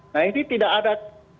nah ini tidak ada